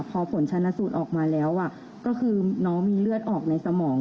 พอผลชนะสูตรออกมาแล้วก็คือน้องมีเลือดออกในสมอง